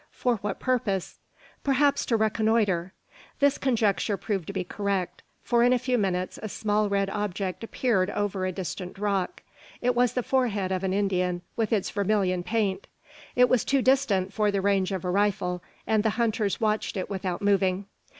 For what purpose? Perhaps to reconnoitre. This conjecture proved to be correct; for in a few moments a small red object appeared over a distant rock. It was the forehead of an Indian with its vermilion paint. It was too distant for the range of a rifle, and the hunters watched it without moving.